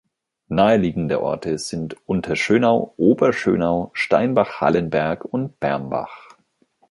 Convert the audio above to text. Nahe liegende Orte sind Unterschönau, Oberschönau, Steinbach-Hallenberg und Bermbach.